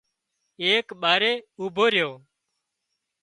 ايڪ ٻارئي اوڀو ريو